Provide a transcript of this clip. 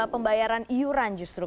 pembayaran iuran justru